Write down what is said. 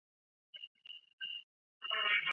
原俄国使馆旧址已无任何遗迹。